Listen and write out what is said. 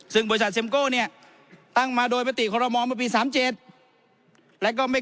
ซึ่งบริษัทเซ็มโก้เนี่ยตั้งมาโดยปฏิขอรมอลเมื่อปี๓๗แล้วก็ไม่